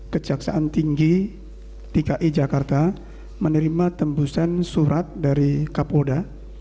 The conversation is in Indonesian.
kejaksaan tinggi dki jakarta menerima tembusan surat dari kapolda